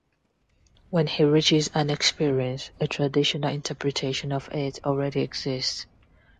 When he reaches an experience, a traditional interpretation of it already exists.